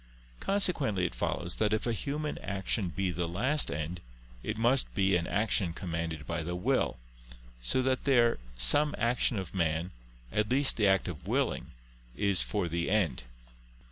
Consequently it follows that if a human action be the last end, it must be an action commanded by the will: so that there, some action of man, at least the act of willing, is for the end.